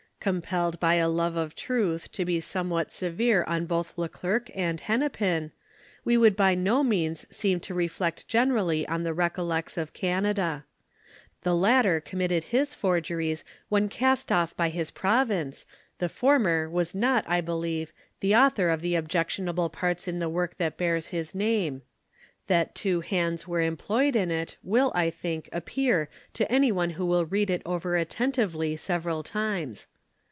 Compelled by a love of truth to be somewhat severe on both le Glercq and Hennepin, we would by no means seem to reflect generally on the Recollects of Canada. The latter committed his forgeries when cast off by his province, the former was not, I believe, the author of the objectionable parts in the work tliat bears his name ; that two hands were employed in it, will I think, appear to any one who will read it over attentively several times.